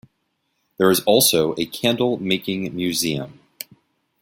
There is also a candle making museum.